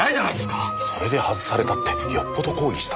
それで外されたってよっぽど抗議したんだ。